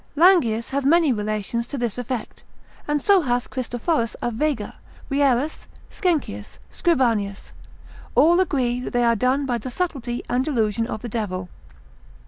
Langius, Epist. med. lib. 1. Epist. 38. hath many relations to this effect, and so hath Christophorus a Vega: Wierus, Skenkius, Scribanius, all agree that they are done by the subtlety and illusion of the devil.